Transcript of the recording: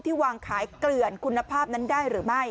วางขายเกลื่อนคุณภาพนั้นได้หรือไม่